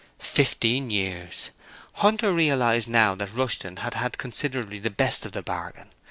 Fifteen years! Hunter realized now that Rushton had had considerably the best of the bargain.